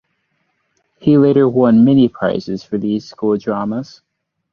He later won many prizes for these school dramas.